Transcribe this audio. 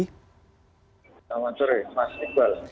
selamat sore mas iqbal